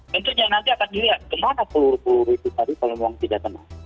tentunya nanti akan dilihat kemana peluru peluru itu tadi kalau memang tidak tenang